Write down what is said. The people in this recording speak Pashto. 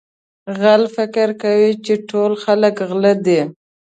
غل فکر کوي چې ټول خلک غله دي.